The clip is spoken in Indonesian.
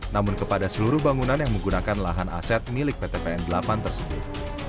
namun kepada seluruh bangunan yang menggunakan lahan aset milik pt pn delapan tersebut